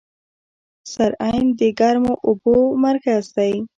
سرعین د ګرمو اوبو مرکز دی.